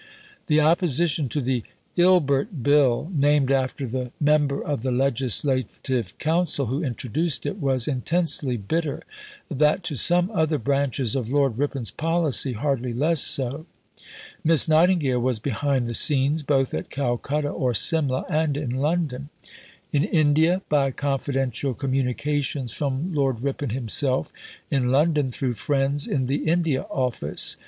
The opposition to the "Ilbert Bill," named after the member of the Legislative Council who introduced it, was intensely bitter; that to some other branches of Lord Ripon's policy, hardly less so. Miss Nightingale was behind the scenes both at Calcutta or Simla and in London: in India by confidential communications from Lord Ripon himself, in London through friends in the India Office.